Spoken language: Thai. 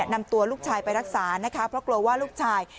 นำตัวลูกชายไปรักษานะคะเพราะกลัวว่าลูกชาย